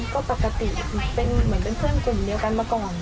ก็ปกติเหมือนเป็นเพื่อนคนเดียวกันมาก่อน